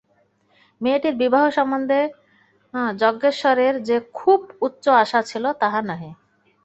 মেয়েটির বিবাহ সম্বন্ধে যজ্ঞেশ্বরের যে খুব উচ্চ আশা ছিল তাহা নহে।